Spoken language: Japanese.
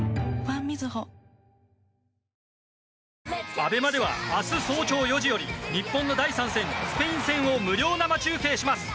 ＡＢＥＭＡでは明日早朝４時より日本の第３戦、スペイン戦を無料生中継します！